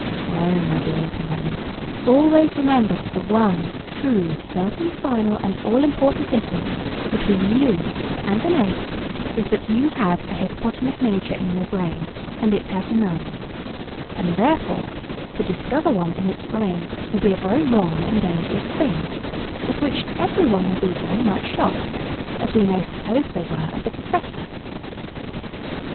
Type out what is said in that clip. No, my dear little man; always remember that the one true, certain, final, and all important difference between you and an ape is, that you have a hippopotamus major in your brain, and it has none; and that, therefore, to discover one in its brain will be a very wrong and dangerous thing, at which every one will be very much shocked, as we may suppose they were at the professor.